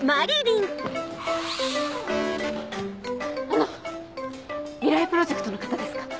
あの未来プロジェクトの方ですか？